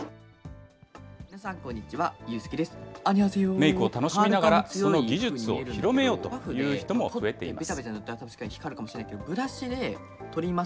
メークを楽しみながら、その技術を広めようという人も増えています。